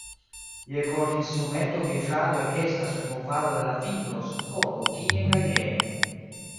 Je kordinstrumento vibrado ekestas per movado de la fingro sur kordo tien kaj reen.